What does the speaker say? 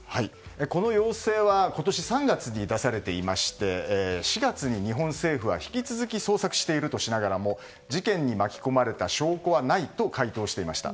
この要請は今年３月に出されていまして４月に日本政府は、引き続き捜索しているとしながらも事件に巻き込まれた証拠はないと回答していました。